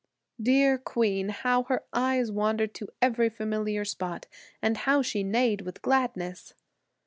Dear Queen, how her eyes wandered to every familiar spot and how she neighed with gladness!